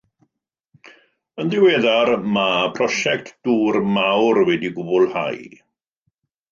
Yn ddiweddar, mae prosiect dŵr mawr wedi'i gwblhau.